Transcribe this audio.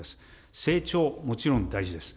成長、もちろん大事です。